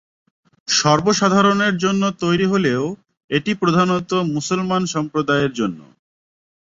সর্ব সাধারণের জন্য তৈরি হলেও এটি প্রধানত মুসলমান সম্প্রদায়ের জন্য।